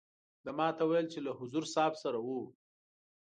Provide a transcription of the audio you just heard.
ده ما ته وویل چې له حضور صاحب سره وو.